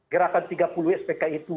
gerakan tiga puluh spki itu